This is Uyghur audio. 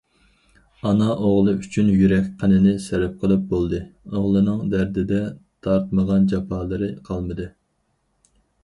ئانا ئوغلى ئۈچۈن يۈرەك قېنىنى سەرپ قىلىپ بولدى، ئوغلىنىڭ دەردىدە تارتمىغان جاپالىرى قالمىدى.